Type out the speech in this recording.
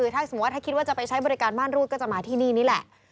ถ้าคิดว่าจะไปใช้บริการมารรูธก็จะมาที่นี่นี่แหละ